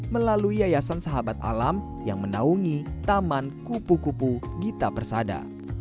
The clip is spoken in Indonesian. melalui yayasan sahabat alam yang menaungi taman kupu kupu gita persada